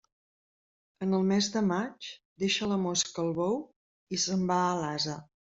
En el mes de maig, deixa la mosca el bou i se'n va a l'ase.